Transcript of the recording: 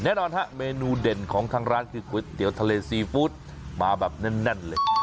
แน่นอนฮะเมนูเด่นของทางร้านคือก๋วยเตี๋ยวทะเลซีฟู้ดมาแบบแน่นเลย